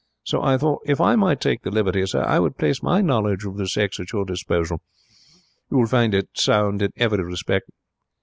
So I thought, if I might take the liberty, sir, I would place my knowledge of the sex at your disposal. You will find it sound in every respect.